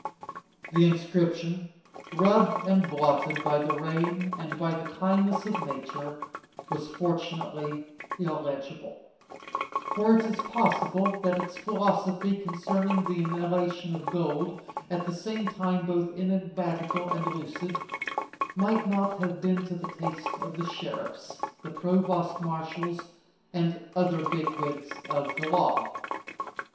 The inscription, rubbed and blotted by the rain and by the kindness of nature, was fortunately illegible, for it is possible that its philosophy concerning the inhalation of gold, at the same time both enigmatical and lucid, might not have been to the taste of the sheriffs, the provost marshals, and other big wigs of the law.